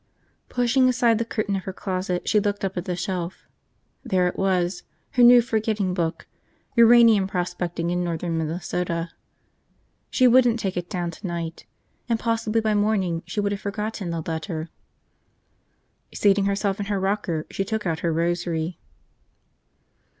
Pushing aside the curtain of her closet, she looked up at the shelf. There it was, her new forgetting book, Uranium Prospecting in Northern Minnesota. She wouldn't take it down tonight. And possibly by morning she would have forgotten the letter. Seating herself in her rocker, she took out her rosary.